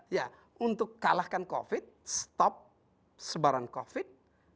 ya untuk kalahkan covid stop sebaran covid